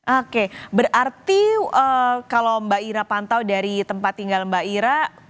oke berarti kalau mbak ira pantau dari tempat tinggal mbak ira